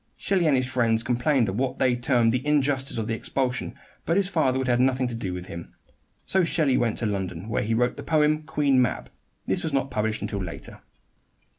Shelley and his friends complained at what they termed the injustice of the expulsion; but his father would have nothing to do with him. So Shelley went to London, where he wrote the poem "Queen Mab." This was not published until later.